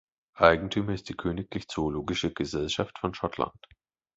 Eigentümer ist die Königlich Zoologische Gesellschaft von Schottland.